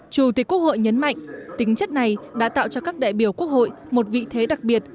chủ tịch quốc hội nhấn mạnh tính chất này đã tạo cho các đại biểu quốc hội một vị thế đặc biệt